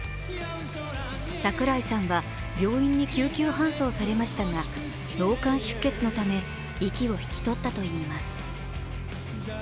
櫻井さんは、病院に救急搬送されましたが脳幹出血のため息を引き取ったといいます。